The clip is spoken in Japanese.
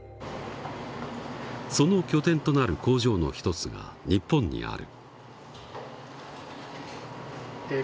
その拠点となる工場の一つが日本にある。